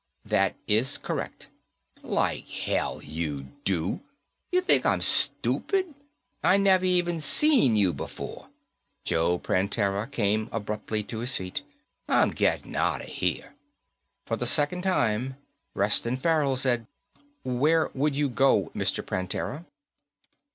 "That is correct." "Like hell you do. You think I'm stupid? I never even seen you before." Joe Prantera came abruptly to his feet. "I'm gettin' outta here." For the second time, Reston Farrell said, "Where would you go, Mr. Prantera?"